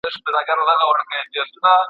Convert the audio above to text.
د کندهار د ښار کلا د مغلانو په لاس ور نه غله.